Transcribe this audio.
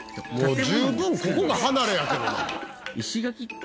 十分ここが離れやけどな。